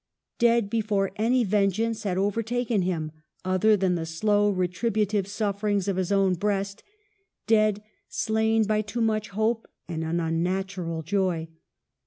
Dead, before any vengeance had overtaken him, other than the slow, retributive sufferings of his own breast ; dead, slain by too much hope, and an unnatural joy.